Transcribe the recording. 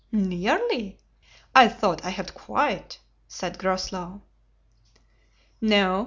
"Nearly? I thought I had quite," said Groslow. "No.